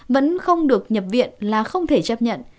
vẫn không được nhập viện là không thể chấp nhận